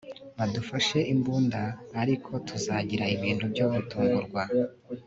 badufashe imbunda, ariko tuzagira ibintu byo gutungurwa